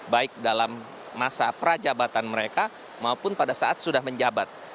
baik dalam masa prajabatan mereka maupun pada saat sudah menjabat